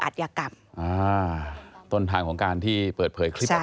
ก็ไม่รู้ว่าฟ้าจะระแวงพอพานหรือเปล่า